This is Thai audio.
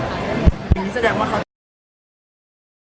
โปรดติดตามตอนต่อไป